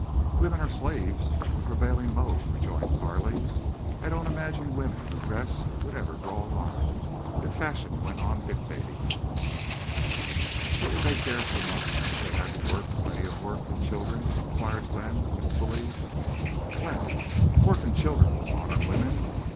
"Women are slaves to the prevailing mode," rejoined Carley. "I don't imagine women who dress would ever draw a line, if fashion went on dictating." "But would they care so much—if they had to work—plenty of work—and children?" inquired Glenn, wistfully. "Glenn! Work and children for modern women?